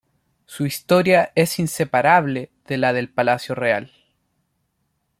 Su historia es inseparable de la del Palacio Real.